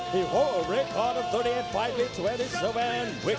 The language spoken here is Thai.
เขาเป็นนักฮอร์นสวัสดิ์โปรวิส